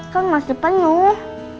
kan masih penuh